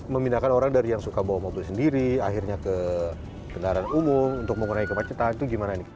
memindahkan orang dari yang suka bawa mobil sendiri akhirnya ke kendaraan umum untuk mengurangi kemacetan itu gimana nih